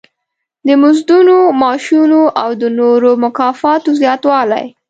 د مزدونو، معاشونو او د نورو مکافاتو زیاتوالی.